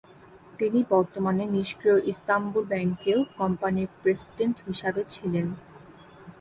তিনি বর্তমানে নিষ্ক্রিয় ইস্তাম্বুল ব্যাংক এও কোম্পানির প্রেসিডেন্ট হিসাবে ছিলেন।